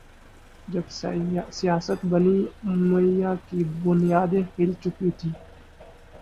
جب سیاست بنی امیہ کی بنیادیں ہل چکی تھیں